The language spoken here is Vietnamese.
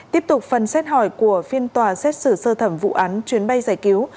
tiếp tục phần xét hỏi của phiên tòa xét xử sơ thẩm vụ án chuyến bay giải cứu